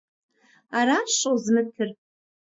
Аращ щӀозмытыр!